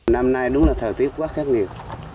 năm nay đúng là thời tiết quá khắc nghiệt